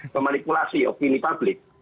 memanipulasi opini publik